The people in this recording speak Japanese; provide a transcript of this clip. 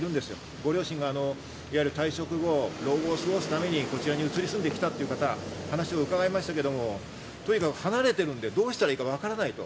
ご両親が退職後、老後を過ごすためにこちらに移り住んできたという方、話を伺いましたが、とにかく離れているので、どうしたらいいか分からない。